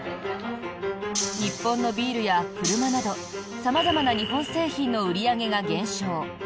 日本のビールや車など様々な日本製品の売り上げが減少。